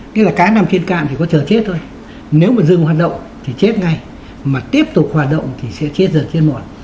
nghĩa là cái nằm trên cạn thì có chờ chết thôi nếu mà dừng hoạt động thì chết ngay mà tiếp tục hoạt động thì sẽ chết giờ trên mòn